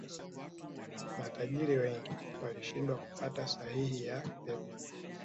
Matajiri wengi walishindwa kupata sahihi ya Pep